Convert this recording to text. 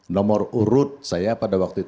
nomor urut saya pada waktu itu